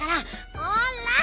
ほら！